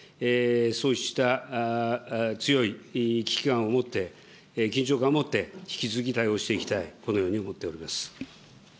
そうした強い危機感を持って、緊張感を持って引き続き対応していきたい、このように思っておりま